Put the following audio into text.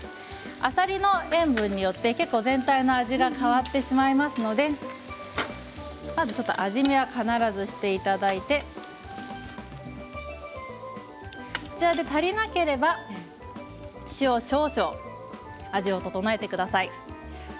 あさりの塩分によって全体の味が変わってしまいますので味見は必ずしていただいて足りなければ塩少々味を調えてください。